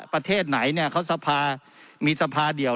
ประเทศไหนเนี่ยเขาสภามีสภาเดียว